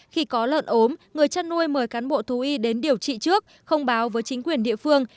khi có lợn ốm người chăn nuôi mời cán bộ thú y đến điều trị trước không báo với chính quyền địa phương